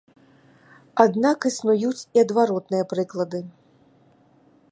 Аднак існуюць і адваротныя прыклады.